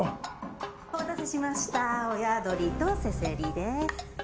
お待たせしました親どりとせせりです。